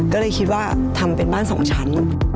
ก็เลยคิดว่าทำเป็นบ้านสองชั้น